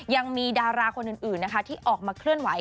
ยังมีดาราคนอื่นนะคะที่ออกมาเคลื่อนไหว